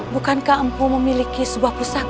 bukankah empu memiliki sebuah pusaka